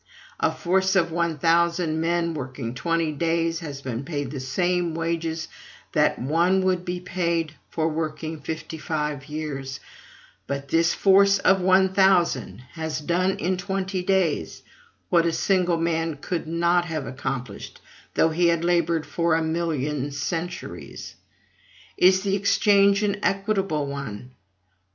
A force of one thousand men working twenty days has been paid the same wages that one would be paid for working fifty five years; but this force of one thousand has done in twenty days what a single man could not have accomplished, though he had labored for a million centuries. Is the exchange an equitable one?